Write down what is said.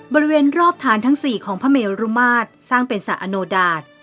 บริเวณรอบฐานทั้ง๔ของพระเมรุมาตรสร้างเป็นสระอโนดาต